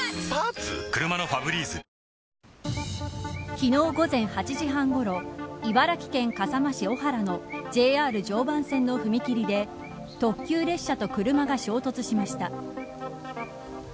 昨日午前８時半ごろ茨城県笠間市のＪＲ常磐線の踏み切りで特急列車と車が衝突しました。